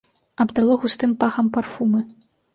Абдало густым пахам парфумы.